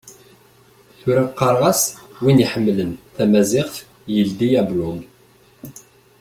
Tura qqareɣ-as:Win iḥemmlen tamaziɣt yeldi ablug.